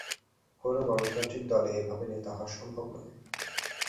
কোনো গণতান্ত্রিক দলে এভাবে নেতা হওয়া সম্ভব নয়।